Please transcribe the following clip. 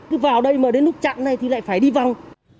cứ vào đây mà đến lúc chặn này thì lại phải đi vòng